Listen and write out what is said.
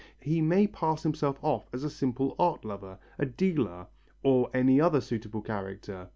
He may pass himself off as a simple art lover, a dealer, or any other suitable character.